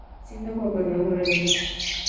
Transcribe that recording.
Siendo gobernador el Lic.